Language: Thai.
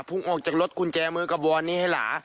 พึ่งออกจากรถคุณแจมือกับวอร์นนี่เหล่า